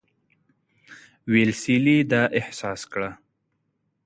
ویلسلي دا احساس کړه.